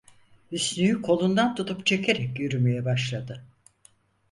Hüsnü'yü kolundan tutup çekerek yürümeye başladı.